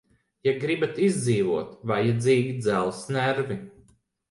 Ja gribat izdzīvot, vajadzīgi dzelzs nervi.